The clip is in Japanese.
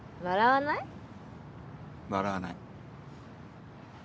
笑わない。